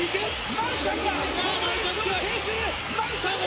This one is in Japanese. マルシャンが強い。